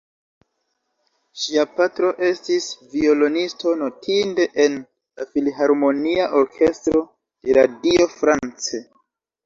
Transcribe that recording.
Ŝia patro, estis violonisto notinde en la filharmonia orkestro de Radio France.